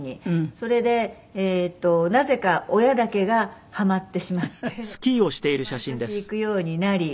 それでなぜか親だけがはまってしまってで毎年行くようになり。